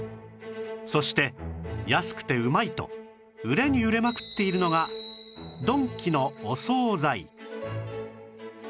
そして安くてうまいと売れに売れまくっているのがドンキのお惣菜